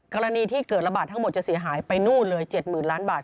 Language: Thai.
กรณีที่เกิดระบาดทั้งหมดจะเสียหายไปนู่นเลย๗๐๐ล้านบาท